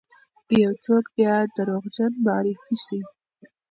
یو څوک بیا دروغجن معرفي سی،